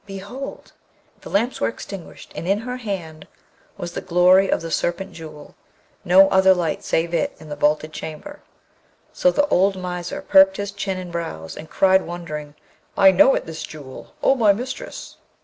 Behold!' The lamps were extinguished, and in her hand was the glory of the Serpent Jewel, no other light save it in the vaulted chamber. So the old miser perked his chin and brows, and cried wondering, 'I know it, this Jewel, O my mistress.'